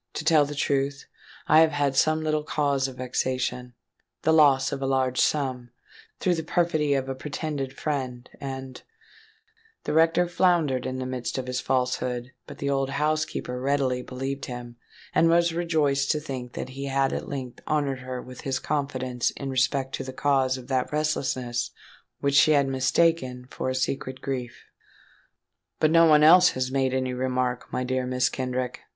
To tell the truth, I have had some little cause of vexation—the loss of a large sum—through the perfidy of a pretended friend—and——" The rector floundered in the midst of his falsehood; but the old housekeeper readily believed him, and was rejoiced to think that he had at length honoured her with his confidence in respect to the cause of that restlessness which she had mistaken for a secret grief. "But no one else has made any remark, my dear Mrs. Kenrick?"